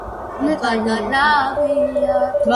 კარგით, ესე იგი, ოცდაექვსი ღობის ბოძი გვაქვს ჰეიზელისთვის.